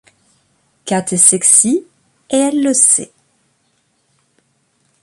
Kat est sexy, et elle le sait.